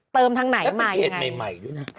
เติมทางไหนใหม่แล้วเป็นเพจใหม่ด้วยนะ